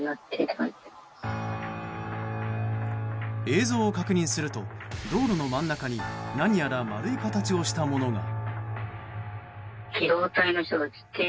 映像を確認すると道路の真ん中に何やら丸い形をしたものが。